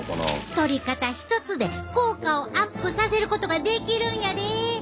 とり方一つで効果をアップさせることができるんやで！